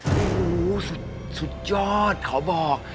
โอ้โหสุดยอดขอบอก